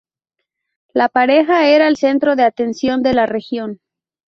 La pareja era el centro de atención de la región.